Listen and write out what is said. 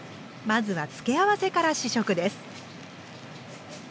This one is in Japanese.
まずは付け合わせから試食です。